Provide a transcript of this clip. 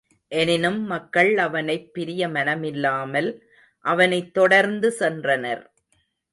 எனினும் மக்கள் அவனைப் பிரிய மனமில்லாமல், அவனைத் தொடர்ந்து சென்றனர்.